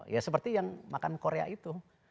ya seperti yang makan korea itu